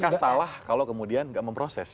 tapi kasalah kalau kemudian nggak memproses